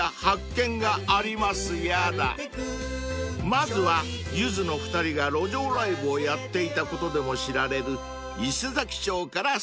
［まずはゆずの２人が路上ライブをやっていたことでも知られる伊勢佐木町からスタート］